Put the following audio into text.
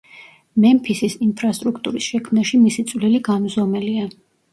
მემფისის ინფრასტრუქტურის შექმნაში მისი წვლილი განუზომელია.